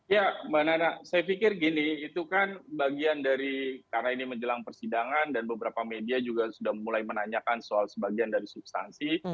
ya mbak nana saya pikir gini itu kan bagian dari karena ini menjelang persidangan dan beberapa media juga sudah mulai menanyakan soal sebagian dari substansi